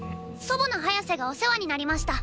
祖母のハヤセがお世話になりました。